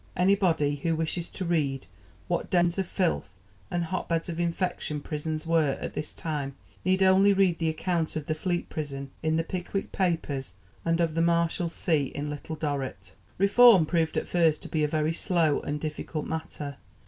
Any one who wishes to read what dens of filth and hotbeds of infection prisons were at this time need only read the account of the Fleet prison in the Pickwick Papers and of the Marshalsea in Little Dorrit. Reform proved at first to be a very slow and difficult matter.